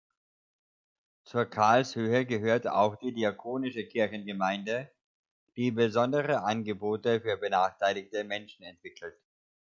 Zur Karlshöhe gehört auch die diakonische Kirchengemeinde, die besondere Angebote für benachteiligte Menschen entwickelt.